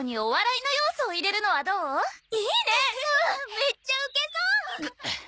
うんめっちゃウケそう！